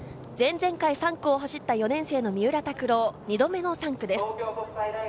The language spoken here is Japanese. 前々回３区を走った４年生の三浦拓朗、２度目の３区です。